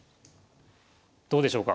どうでしょうか？